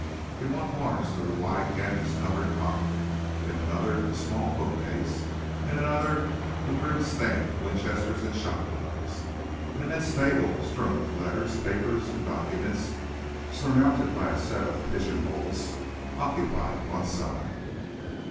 In one corner stood a wide, canvas covered cot; in another, a small bookcase; in another, a grim stand of Winchesters and shotguns. An immense table, strewn with letters, papers and documents and surmounted by a set of pigeon holes, occupied one side.